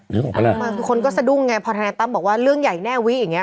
นึกออกแล้วอ่าคนก็สะดุ้งไงพอธันตั๊มบอกว่าเรื่องใหญ่แน่วิอยังไง